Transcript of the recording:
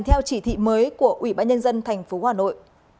theo chỉ thị mới của ủy ban nhân dân tp hà nội